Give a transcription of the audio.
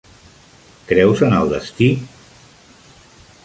Creus en el destí?